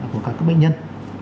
của các bệnh nhân